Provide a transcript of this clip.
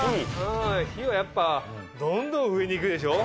火はやっぱどんどん上に行くでしょ。